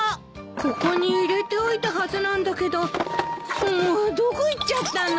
ここに入れておいたはずなんだけどもうどこいっちゃったの？